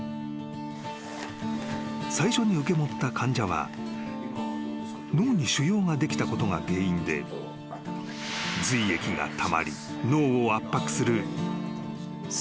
［最初に受け持った患者は脳に腫瘍ができたことが原因で髄液がたまり脳を圧迫する水頭症だった］